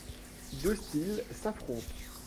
Deux styles s'affrontent.